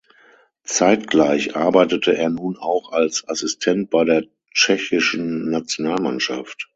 Zeitgleich arbeitete er nun auch als Assistent bei der tschechischen Nationalmannschaft.